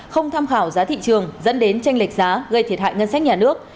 không tham khảo giá thị trường dẫn đến tranh lệch giá gây thiệt hại ngân sách nhà nước